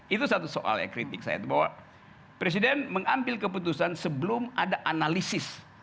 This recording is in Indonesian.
itu satu soal ya kritik saya itu bahwa presiden mengambil keputusan sebelum ada analisis